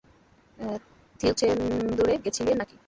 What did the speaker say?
থিরুছেন্দুরে গেছিলে নাকি?